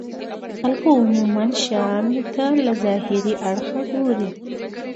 خلک عموما شيانو ته له ظاهري اړخه ګوري.